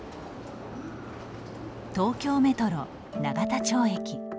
東京メトロ・永田町駅。